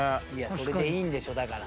それでいいんでしょだから。